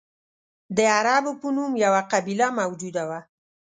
د عربو په نوم یوه قبیله موجوده وه.